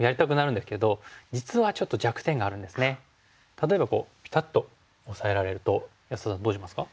例えばピタッとオサえられると安田さんどうしますか？